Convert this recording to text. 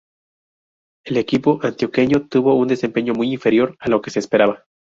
El equipo antioqueño tuvo un desempeño muy inferior a lo que se esperaba.